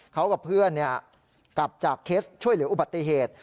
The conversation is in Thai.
เขากับเพื่อนกลับจากเคสช่วยเหลืออุบัติเหตุ